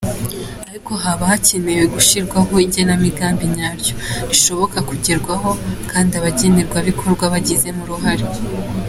Ariko haba hakenewe gushyirwaho igenamigambi nyaryo, rishoboka kugerwaho, kandi abagenerwabikorwa bagizemo uruhare.